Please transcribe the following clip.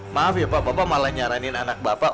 maaf ya pak bapak malah nyaranin anak bapak